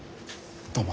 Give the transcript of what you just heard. どうも。